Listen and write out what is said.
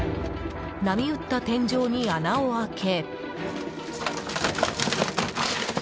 波打った天井に穴を開け。